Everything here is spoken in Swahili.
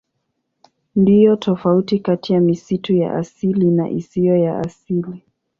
Ndiyo tofauti kati ya misitu ya asili na isiyo ya asili.